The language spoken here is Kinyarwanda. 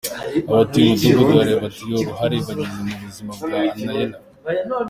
Abatuye umudugu wa Rebero batrashimirwa uruhare bagzie ku buzima bwa Anaella.